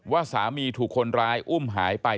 ว่าสามีถูกคนร้ายอุ้มหายไป